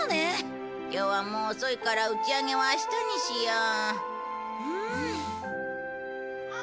今日はもう遅いから打ち上げは明日にしよう。